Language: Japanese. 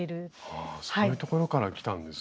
あそういうところからきたんですね。